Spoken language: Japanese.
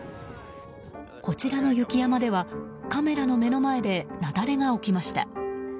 こちらの雪山ではカメラの目の前で雪崩が起きました。